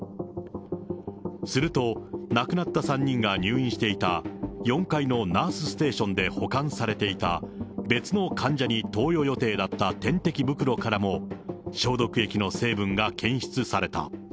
すると、亡くなった３人が入院していた、４階のナースステーションで保管されていた、別の患者に投与予定だった点滴袋からも、消毒液の成分が検出された。